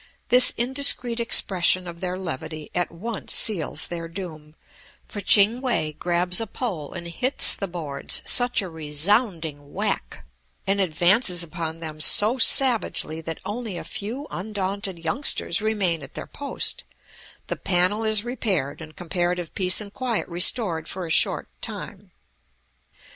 This indiscreet expression of their levity at once seals their doom, for Ching We grabs a pole and hits the boards such a resounding whack, and advances upon them so savagely, that only a few undaunted youngsters remain at their post; the panel is repaired, and comparative peace and quiet restored for a short time.